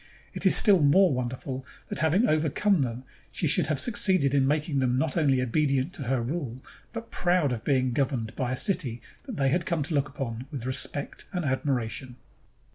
It is still more wonderful that having overcome them, she should have succeeded in making them not only obedient to her rule, but proud of being governed by a city that they had come to look upon with respect and admiration.